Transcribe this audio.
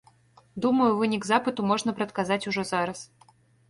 Думаю, вынік запыту можна прадказаць ужо зараз.